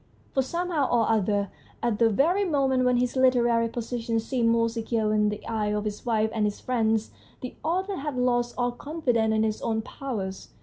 For somehow or other, at the very moment when his literary position seemed most secure in the eyes of his wife and his friends, the author had lost all confidence in his own powers.